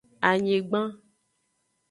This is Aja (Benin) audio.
Anyigban.